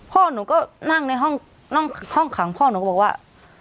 พ่อหนูก็นั่งในห้องขังพ่อหนูก็บอกว่า